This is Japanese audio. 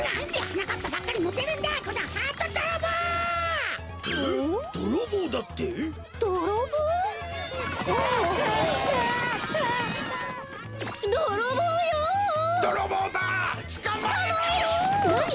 なに？